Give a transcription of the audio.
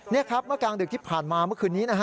นี่ครับเมื่อกลางดึกที่ผ่านมาเมื่อคืนนี้นะฮะ